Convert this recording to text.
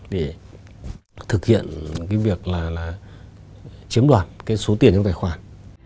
để thực hiện việc chiếm đoạt số tiền trong tài khoản